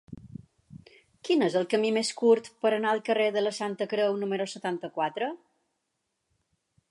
Quin és el camí més curt per anar al carrer de la Santa Creu número setanta-quatre?